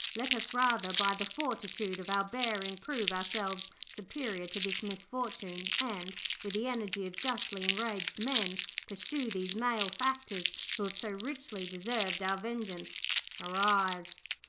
Let us, rather, by the fortitude of our bearing prove ourselves superior to this misfortune and, with the energy of justly enraged men, pursue these malefactors, who have so richly deserved our vengeance. Arise!'